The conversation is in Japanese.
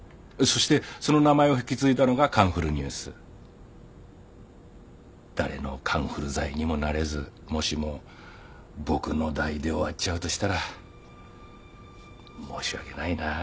そしてその名前を引き継いだのが『カンフルＮＥＷＳ』誰のカンフル剤にもなれずもしも僕の代で終わっちゃうとしたら申し訳ないな。